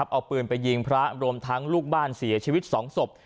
เอาปืนไปยิงพระรวมทั้งลูกบ้านเสียชีวิต๒ศพ